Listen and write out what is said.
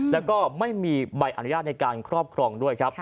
แล้วก็ไม่มีใบอนุญาตในการครอบครองด้วยครับ